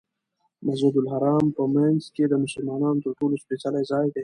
مسجدالحرام په منځ کې د مسلمانانو تر ټولو سپېڅلی ځای دی.